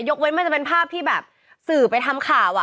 เว้นมันจะเป็นภาพที่แบบสื่อไปทำข่าว